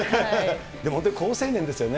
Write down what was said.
でも、本当に好青年ですよね。